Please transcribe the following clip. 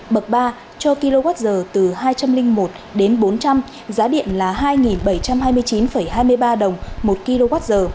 bậc ba cho kwh từ hai trăm linh một đến bốn trăm linh giá điện là hai bảy trăm hai mươi chín hai mươi ba đồng một kwh